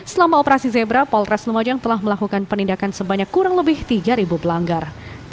selama operasi zebra polres lumajang telah melakukan penindakan sebanyak kurang lebih tiga pelanggar